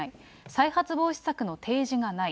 再発防止策の提示がない。